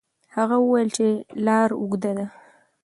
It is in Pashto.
هغه وویل چې لار اوږده ده.